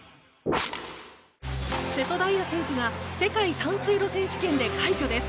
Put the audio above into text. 瀬戸大也選手が世界短水路選手権で快挙です。